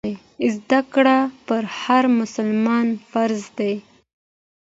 زده کړه پر هر مسلمان فرض دی.